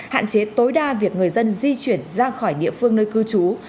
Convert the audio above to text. hạn chế tối đa việc người dân di chuyển ra khỏi địa phương nơi cư trú